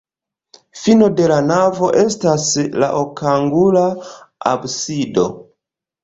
Fino de la navo estas la okangula absido.